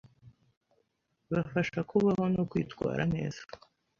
bafasha kubaho no kwitwara neza